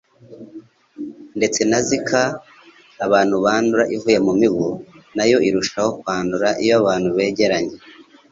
Ndetse na Zika, abantu bandura ivuye mu mibu, nayo irushaho kwandura iyo abantu begeranye.